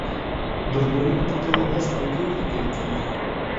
درود ویونکي ته لس نېکۍ لیکل کیږي